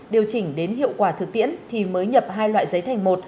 điều chỉnh đến hiệu quả thực tiễn thì mới nhập hai loại giấy thành một